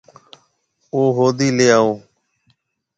او هودَي ليَ آئو۔